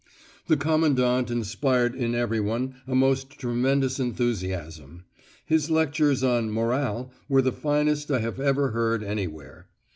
The Commandant inspired in everyone a most tremendous enthusiasm. His lectures on "Morale" were the finest I have ever heard anywhere.